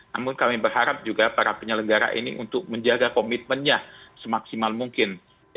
namun kami berharap juga para penyelenggara ini untuk menjaga komitmennya semaksimal mungkin